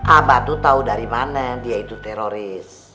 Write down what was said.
abah tuh tahu dari mana dia itu teroris